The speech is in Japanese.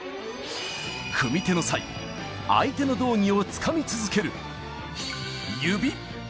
組み手の際、相手の道着をつかみ続ける指。